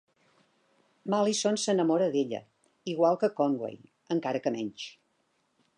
Mallinson s'enamora d'ella, igual que Conway, encara que menys.